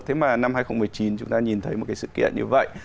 thế mà năm hai nghìn một mươi chín chúng ta nhìn thấy một cái sự kiện như vậy